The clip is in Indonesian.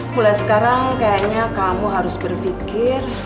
mulai sekarang kayaknya kamu harus berpikir